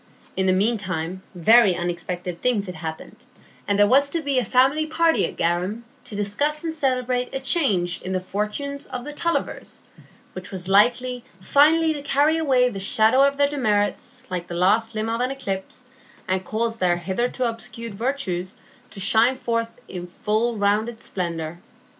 In the mean time very unexpected things had happened, and there was to be a family party at Garum to discuss and celebrate a change in the fortunes of the Tullivers, which was likely finally to carry away the shadow of their demerits like the last limb of an eclipse, and cause their hitherto obscured virtues to shine forth in full rounded splendor.